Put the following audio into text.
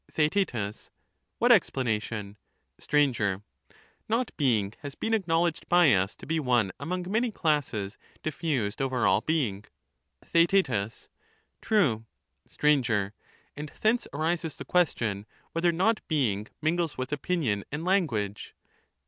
TheaeU What explanation ? Str, Not being has been acknowledged by us to be one \ among many classes diffused over all being. TheaeU True. Sir. And thence arises the question, whether not being ' mingles with opinion and language.